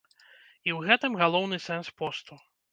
І ў гэтым галоўны сэнс посту.